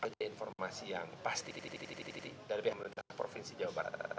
jadi informasi yang pasti dari pihak melintas provinsi jawa barat